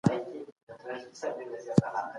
خلق ګوند مظاهره وکړه.